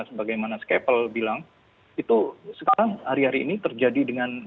sebagaimana skeple bilang itu sekarang hari hari ini terjadi dengan